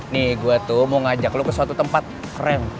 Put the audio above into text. nih gue tuh mau ngajak lo ke suatu tempat keren